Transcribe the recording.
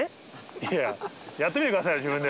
いやいや、やってみてくださいよ、自分で。